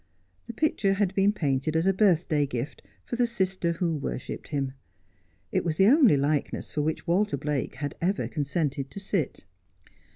The picture had been painted as a birthday gift for the sister who worshipped him. It was the only likeness for which "Walter Blake had ever consented to sit.